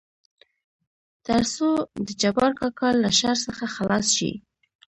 تر څو دجبار کاکا له شر څخه خلاص شي.